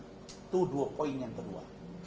itu dua poin yang kedua